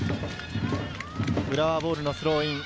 浦和ボールのスローイン。